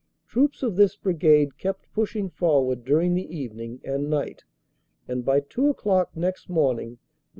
Troops of this Brigade kept pushing forward during the evening and night, and by two o clock next morning, Nov.